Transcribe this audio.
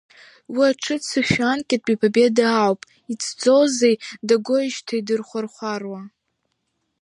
Уи аҽыццышә анкьатәи Победа ауп, иҵӡозеи дагоижьҭеи дырхәархәаруа!